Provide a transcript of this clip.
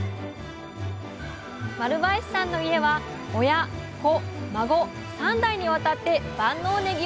丸林さんの家は親子孫３代にわたって万能ねぎを生産しています